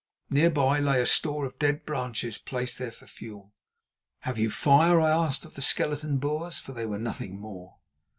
Near by lay a store of dead branches placed there for fuel. "Have you fire?" I asked of the skeleton Boers, for they were nothing more.